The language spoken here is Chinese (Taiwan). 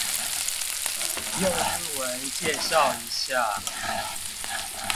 用英文介紹一下